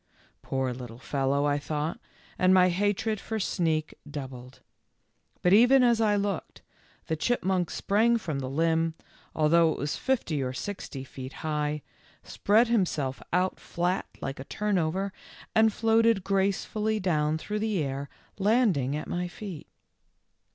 " Poor little fellow," I thought, and my hatred for Sneak doubled. But even as I looked, the chipmunk sprang from the limb, although it was fifty or sixty feet high, spread himself out flat like a turnover, and floated gracefully down through the air, landing at my feet.